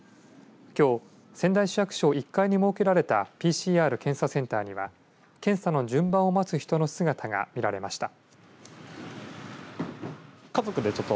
きょう仙台市役所１階に設けられたＰＣＲ検査センターには検査の順番を待つ人の姿が見られました。